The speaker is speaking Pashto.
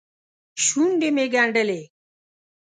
شونډې مې ګنډلې.